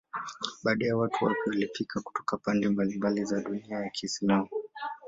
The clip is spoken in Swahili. Baadaye watu wapya walifika kutoka pande mbalimbali za dunia ya Kiislamu.